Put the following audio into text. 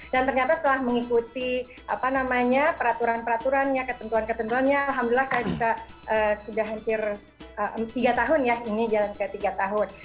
dan ternyata setelah mengikuti apa namanya peraturan peraturan ya ketentuan ketentuannya alhamdulillah saya bisa sudah hampir tiga tahun ya ini jalan ke tiga tahun